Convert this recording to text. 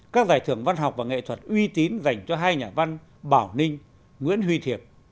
các giải thưởng văn học và nghệ thuật uy tín dành cho hai nhà văn bảo ninh nguyễn huy thiệp